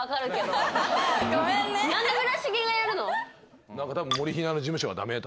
何で村重がやるの？